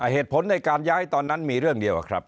เหตุผลในการย้ายตอนนั้นมีเรื่องเดียวครับ